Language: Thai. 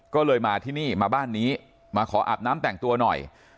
ก็เลยมาที่นี่มาบ้านนี้มาขออาบน้ำแต่งตัวหน่อย